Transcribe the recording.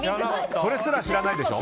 それすら知らないでしょ。